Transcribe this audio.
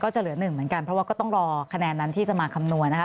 จะเหลือหนึ่งเหมือนกันเพราะว่าก็ต้องรอคะแนนนั้นที่จะมาคำนวณนะคะ